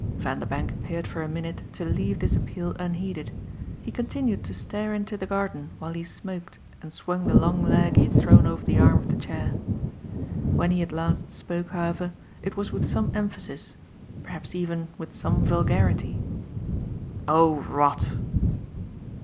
Vanderbank appeared for a minute to leave this appeal unheeded; he continued to stare into the garden while he smoked and swung the long leg he had thrown over the arm of the chair. When he at last spoke, however, it was with some emphasis perhaps even with some vulgarity. "Oh rot!"